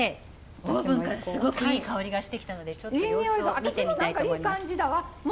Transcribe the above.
オーブンからすごくいい香りがしてきたのでちょっと様子を見てみたいと思います。